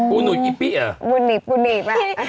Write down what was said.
คิดดูดิว่าพี่ตูนเต้นแหละ